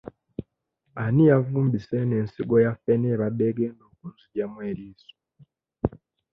Ani yavumbise eno ensigo ya ffene ebadde egenda okunzigyamu eriiso?